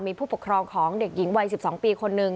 มีผู้ปกครองของเด็กหญิงวัย๑๒ปีคนหนึ่ง